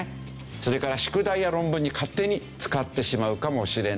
それから宿題や論文に勝手に使ってしまうかもしれない。